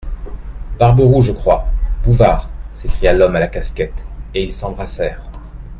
Barberou, je crois ? Bouvard ! s'écria l'homme à la casquette, et ils s'embrassèrent.